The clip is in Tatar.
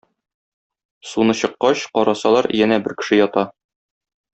Суны чыккач, карасалар, янә бер кеше ята.